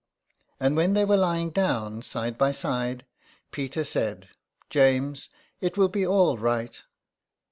And when they were lying down side by side Peter said, " James, it will be all right."